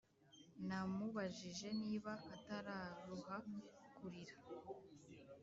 Namubajije niba atararuha kurira